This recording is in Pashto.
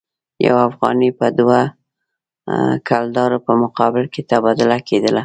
یو افغانۍ به د دوه کلدارو په مقابل کې تبادله کېدله.